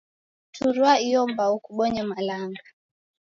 Turua iyo mbao kubonye malanga.